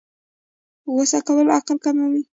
غوسه کول عقل کموي